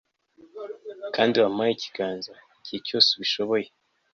kandi wampaye ikiganza igihe cyose ubishoboye